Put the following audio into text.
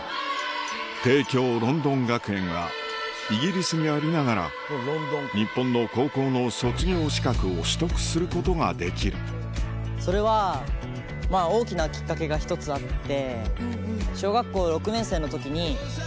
帝京ロンドン学園はイギリスにありながら日本の高校の卒業資格を取得することができるそれは大きなきっかけが１つあって。